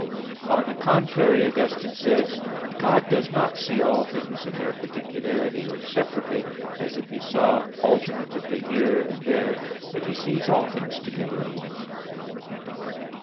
On the contrary, Augustine says (De Trin. xv), "God does not see all things in their particularity or separately, as if He saw alternately here and there; but He sees all things together at once."